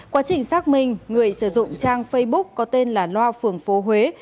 quá trình xác minh người sử dụng trang facebook có tên là loa phường phố huế